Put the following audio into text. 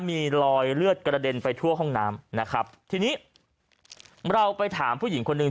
มีรอยเลือดกระเด็นไปทั่วห้องน้ำนะครับทีนี้เราไปถามผู้หญิงคนหนึ่ง